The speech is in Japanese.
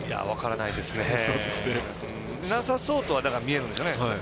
なさそうとは見えるんですね。